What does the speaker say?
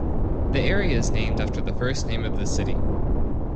The area is named after the first name of the city.